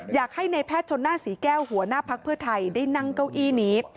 อยากให้ในแพทย์ชนหน้าศรีแก้วหัวหน้าภักดิ์เพื่อไทยได้นั่งเก้าอี้นี้